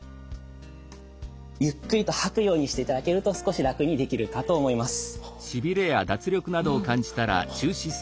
ゆっくりと吐くようにしていただけると少し楽にできるかと思います。